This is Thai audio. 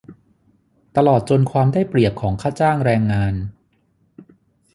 ตลอดจนความได้เปรียบของค่าจ้างแรงงาน